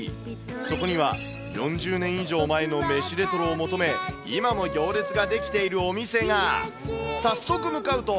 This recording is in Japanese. そこには、４０年以上前の飯レトロを求め、今も行列が出来ているお店が。